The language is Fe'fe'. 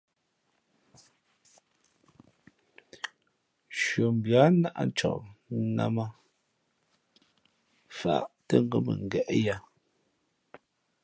Nshʉαmbhi á nāʼ cak, nnām ā, fǎʼ tά ngα̌ mʉngéʼ yǎ.